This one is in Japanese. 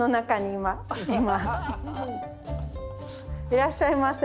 いらっしゃいませ。